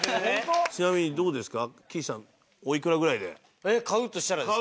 ちなみにどうですか？